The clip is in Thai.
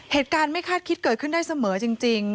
เหตุการณ์ไม่คาดคิดเกิดขึ้นได้เสมอจริง